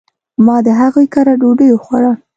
ما د هغي کره ډوډي وخوړه .